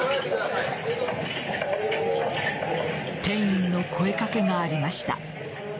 店員の声かけがありました。